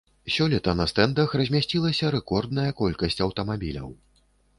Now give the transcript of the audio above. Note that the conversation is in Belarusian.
Сёлета на стэндах размясцілася рэкордная колькасць аўтамабіляў.